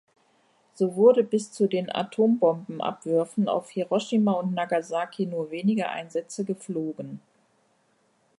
So wurden bis zu den Atombombenabwürfen auf Hiroshima und Nagasaki nur wenige Einsätze geflogen.